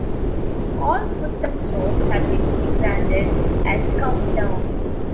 All Foodtown stores have been rebranded as Countdown.